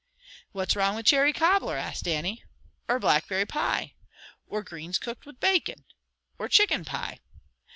"What's wrong wi' cherry cobbler?" asked Dannie. "Or blackberry pie?" "Or greens cooked wi' bacon?" "Or chicken pie?"